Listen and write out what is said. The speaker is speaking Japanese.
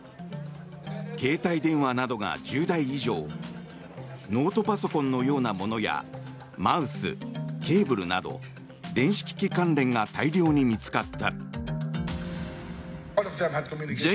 携帯電話などが１０台以上ノートパソコンのようなものやマウス、ケーブルなど電子機器関連が大量に見つかった。